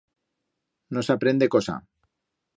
No s'aprende cosa.